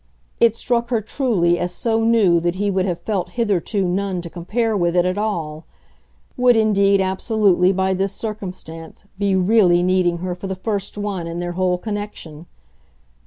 It struck her truly as so new that he would have felt hitherto none to compare with it at all; would indeed, absolutely, by this circumstance, be REALLY needing her for the first one in their whole connection.